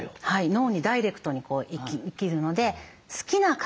脳にダイレクトにいきるので好きな香りを常備。